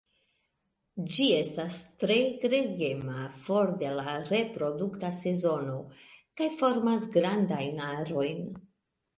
Ĝi estas tre gregema for de la reprodukta sezono kaj formas grandajn arojn.